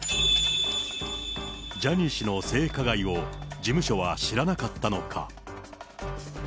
ジャニー氏の性加害を事務所は知らなかったのか。